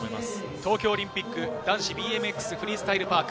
東京オリンピック男子フリースタイル・パーク。